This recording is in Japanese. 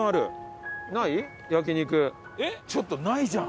ちょっとないじゃん！